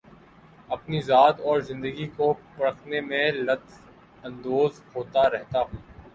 اپنی ذات اور زندگی کو پرکھنے میں لطف اندوز ہوتا رہتا ہوں